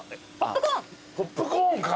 ポップコーンか。